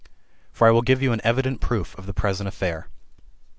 For I will give you evident proof of the present affair.